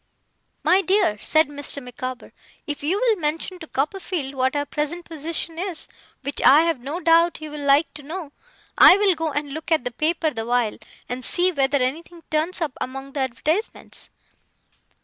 'My dear,' said Mr. Micawber, 'if you will mention to Copperfield what our present position is, which I have no doubt he will like to know, I will go and look at the paper the while, and see whether anything turns up among the advertisements.